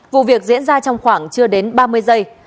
vụ việc diễn ra trong khoảng chưa đến ba mươi giây